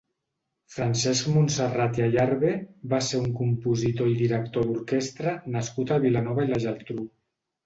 Francesc Montserrat i Ayarbe va ser un compositor i director d'orquestra nascut a Vilanova i la Geltrú.